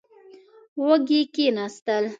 وږي کېناستل.